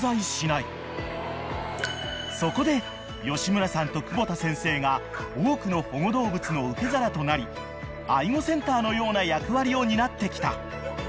［そこで吉村さんと久保田先生が多くの保護動物の受け皿となり愛護センターのような役割を担ってきた］